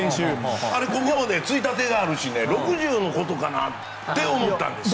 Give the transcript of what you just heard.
あれ、僕もついたてがあるし６０のことかなって思ったんです。